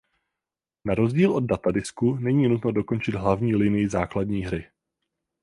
Na rozdíl od datadisku není nutno dokončit hlavní linii základní hry.